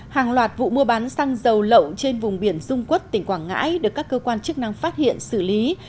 hàng loạt vụ mua bán xăng dầu lậu trên vùng biển dung quốc tỉnh quảng ngãi được các cơ quan chức năng phát hiện xử lý